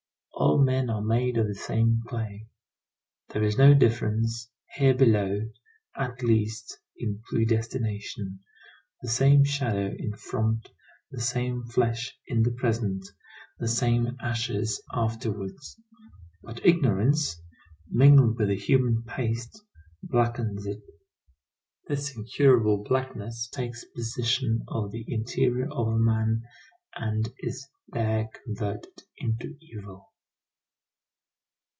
All men are made of the same clay. There is no difference, here below, at least, in predestination. The same shadow in front, the same flesh in the present, the same ashes afterwards. But ignorance, mingled with the human paste, blackens it. This incurable blackness takes possession of the interior of a man and is there converted into evil.